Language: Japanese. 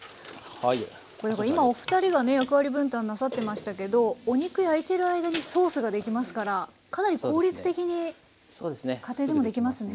これ今お二人がね役割分担なさってましたけどお肉焼いてる間にソースができますからかなり効率的に家庭でもできますね。